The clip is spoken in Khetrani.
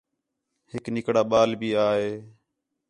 ہِک نِکڑا ٻال بھی آیا